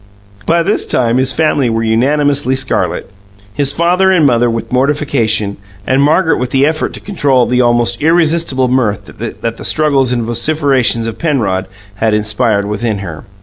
By this time his family were unanimously scarlet his father and mother with mortification, and Margaret with the effort to control the almost irresistible mirth that the struggles and vociferations of Penrod had inspired within her.